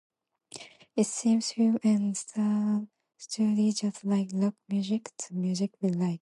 It seemed firm and sturdy just like rock music, the music we like.